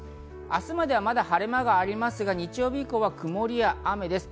明日までは晴れ間がありますが、日曜日以降は曇りや雨です。